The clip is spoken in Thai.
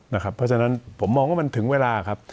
เพราะฉะนั้นผมมองว่ามันถึงเวลาครับ